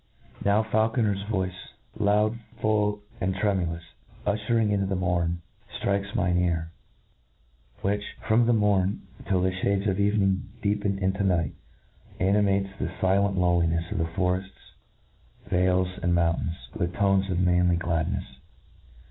Now the faulcMier's voice, loud, iFuU, and tremulous, uihering in the morn, ftrikes mine ear ; which, from the mom, till the ihades of evening deepen into night, animates the 11 lent lonelinefs pf >forefts, vales, and mountains, with tones of manly gladnefs.